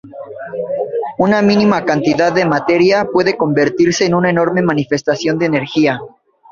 Una mínima cantidad de materia puede convertirse en una enorme manifestación de energía.